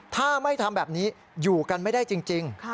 ถ้าไม่ทำแบบนี้อยู่กันไม่ได้จริง